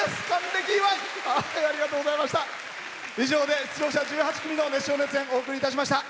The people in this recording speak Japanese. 以上で出場者１８組の熱唱・熱演お送りいたしました。